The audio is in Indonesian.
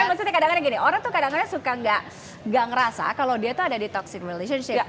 maksudnya kadang kadang gini orang tuh kadang kadang suka gak ngerasa kalau dia tuh ada di toxic relationship